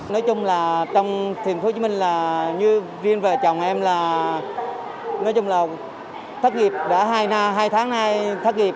nói chung là trong thành phố hồ chí minh là như riêng và chồng em là nói chung là thất nghiệp đã hai tháng nay thất nghiệp